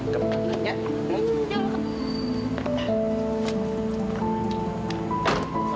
kita ke kantor lagi